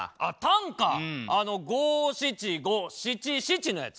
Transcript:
あの「五七五七七」のやつ？